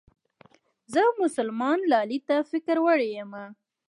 زه مسلمان لالي ته فکر وړې يمه